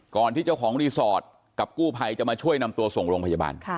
ก่อนที่เจ้าของรีสอร์ทกับกู้ไผ่มาช่วยนำตัวส่งลงพยาบาล